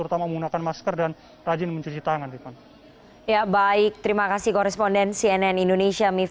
terima kasih pak